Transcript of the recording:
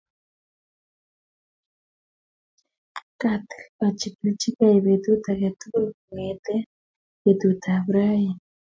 Katil achigilgei betut age tugul kong'ete betutab raini.